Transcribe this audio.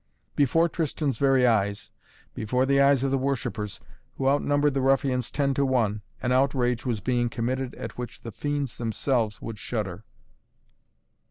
Before Tristan's very eyes, before the eyes of the worshippers, who outnumbered the ruffians ten to one, an outrage was being committed at which the fiends themselves would shudder.